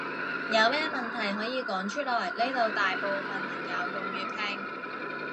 有咩問題可以講出來，呢度大部分朋友用粵拼